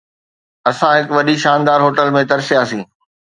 اسان هڪ وڏي شاندار هوٽل ۾ ترسياسين.